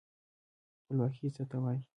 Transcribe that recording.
خپلواکي څه ته وايي.